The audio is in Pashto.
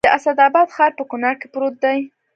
د اسداباد ښار په کونړ کې پروت دی